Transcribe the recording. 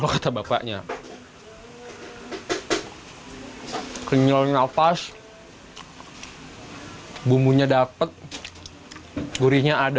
kenyal nafas bumbunya dapat gurinya ada dari